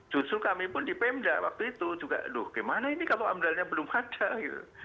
justru kami pun di pemda waktu itu juga aduh gimana ini kalau amdalnya belum ada gitu